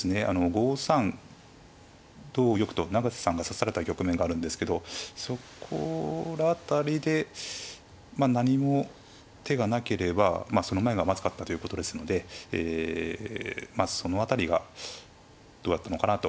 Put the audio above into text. ５三同玉と永瀬さんが指された局面があるんですけどそこら辺りでまあ何も手がなければその前がまずかったということですのでまあその辺りがどうだったのかなとええ思ってます。